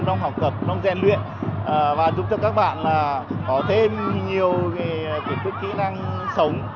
trong học tập trong gian luyện và giúp cho các bạn có thêm nhiều kiến thức kỹ năng sống